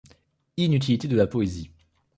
Inutilité de la poésie.